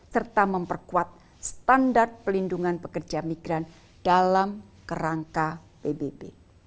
serta memperkuat standar pelindungan pekerja migran dalam kerangka pbb